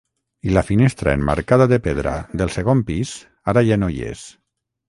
I la finestra emmarcada de pedra del segon pis ara ja no hi és.